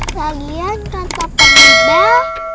lagian kata peribel